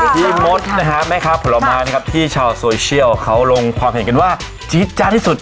พี่มดนะครับแม่คะผลละมะที่ชาวโซเชียลเขาลงความเห็นกันว่าจี๊จ้านี่สุด